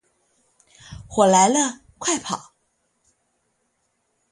火來了，快跑